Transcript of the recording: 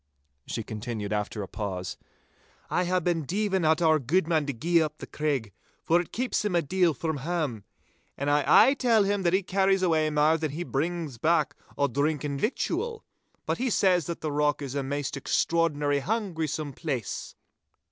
She continued, after a pause,— 'I hae been deevin' at our guidman to gie up the Craig, for it keeps him a deal from hame, and I aye tell him that he carries awa' mair than he brings back o' drink and victual. But he says that the rock is a maist extraordinary hungrysome place!